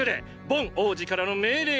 ボン王子からの命令だ。